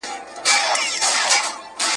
زه به سبا د نوټونو بشپړونه کوم وم.